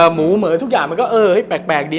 หมูเหมือนทุกอย่างมันก็เออแปลกดี